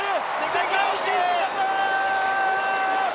世界新記録！